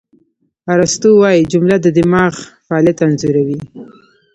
ارسطو وایي، جمله د دماغ فعالیت انځوروي.